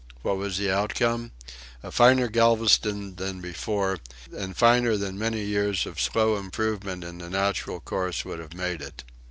What was the outcome? A finer Galveston than before, and finer than many years of slow improvement in the natural course would have made it.